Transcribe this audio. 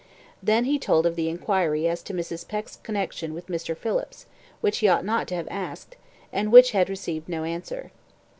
Then he told of the inquiry as to Mrs. Peck's connection with Mr. Phillips, which he ought not to have asked, and which had received no answer.